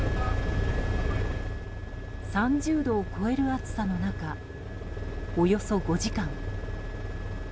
３０度を超える暑さの中およそ５時間。